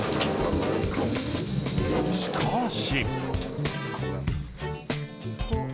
しかし。